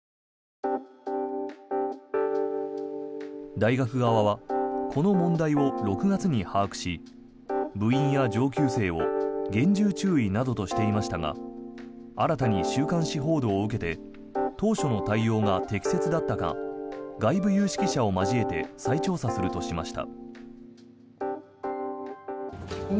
大学側はこの問題を６月に把握し部員や上級生を厳重注意などとしていましたが新たに週刊誌報道を受けて当初の対応が適切だったか外部有識者を交えて再調査するとしました。